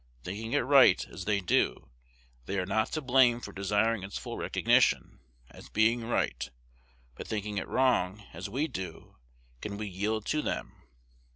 Thinking it right, as they do, they are not to blame for desiring its full recognition, as being right; but thinking it wrong, as we do, can we yield to them?